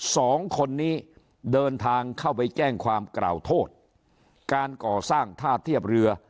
สองคนนี้เดินทางเข้าไปแจ้งความกล่าวโทษการก่อสร้างท่าเทียบเรือ